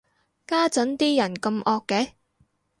家陣啲人咁惡嘅